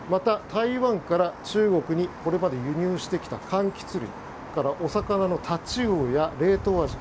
、台湾から中国にこれまで輸入してきた柑橘類それからお魚のタチウオや冷凍アジ